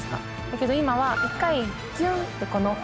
だけど今は１回ギュンってこの。